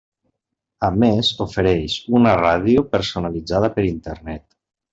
A més ofereix una ràdio personalitzada per Internet.